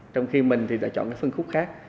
trong khi mình thì phải chọn cái phân khúc khác